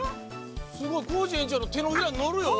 すごいコージえんちょうのてのひらにのるよ。